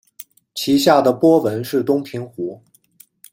其下的波纹是东平湖。